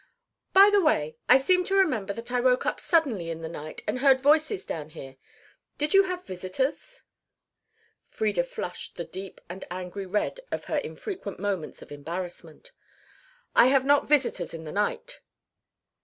"By the way, I seem to remember that I woke up suddenly in the night and heard voices down here. Did you have visitors?" Frieda flushed the deep and angry red of her infrequent moments of embarrassment. "I have not visitors in the night."